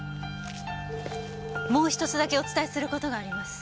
もう１つだけお伝えする事があります。